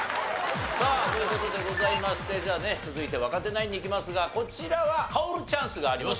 さあという事でございましてじゃあね続いて若手ナインにいきますがこちらは薫チャンスがあります。